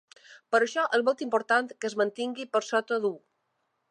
Per això, és molt important que es mantingui per sota d’u.